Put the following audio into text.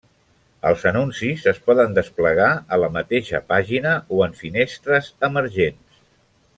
Els anuncis es poden desplegar a la mateixa pàgina o en finestres emergents.